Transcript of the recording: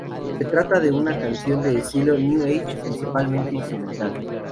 Se trata de una canción de estilo new age, principalmente instrumental.